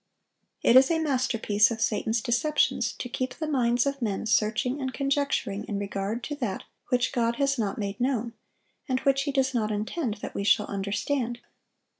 It is a masterpiece of Satan's deceptions to keep the minds of men searching and conjecturing in regard to that which God has not made known, and which He does not intend that we shall understand.